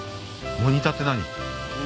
モニターって何？